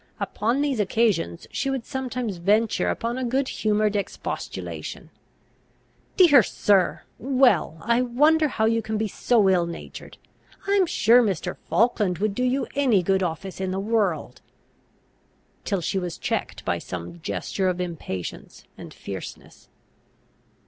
Upon these occasions she would sometimes venture upon a good humoured expostulation: "Dear sir! well, I wonder how you can be so ill natured! I am sure Mr. Falkland would do you any good office in the world:" till she was checked by some gesture of impatience and fierceness.